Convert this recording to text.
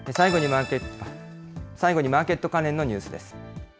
最後にマーケット関連のニュース